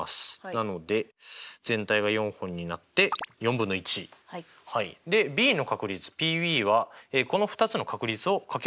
なので全体が４本になって４分の１。でＢの確率Ｐはこの２つの確率を掛け合わせればいい。